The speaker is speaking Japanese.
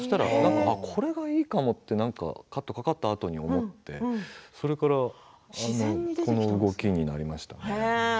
これがいいかもとなってカットかかったあとに思ってそういう動きになりましたね。